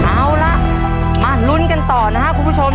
เอาล่ะมาลุ้นกันต่อนะครับคุณผู้ชม